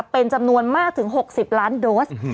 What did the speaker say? เป็นจำนวนมากถึง๖๐ล้านโดส